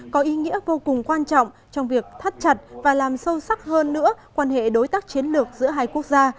có ý nghĩa vô cùng quan trọng trong việc thắt chặt và làm sâu sắc hơn nữa quan hệ đối tác chiến lược giữa hai quốc gia